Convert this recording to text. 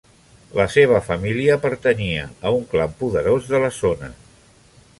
La seva família pertanyia a un clan poderós de la zona.